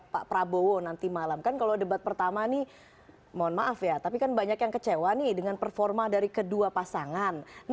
pak prabowo nanti malam kan kalau debat pertama nih mohon maaf ya tapi kan banyak yang kecewa nih dengan performa dari kedua pasangan